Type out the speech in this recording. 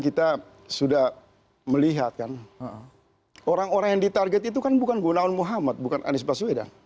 kita sudah melihat kan orang orang yang ditarget itu kan bukan gunawan muhammad bukan anies baswedan